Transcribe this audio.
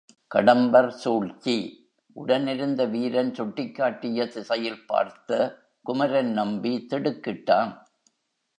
கடம்பர் சூழ்ச்சி உடனிருந்த வீரன் சுட்டிக் காட்டிய திசையில் பார்த்த குமரன் நம்பி திடுக்கிட்டான்.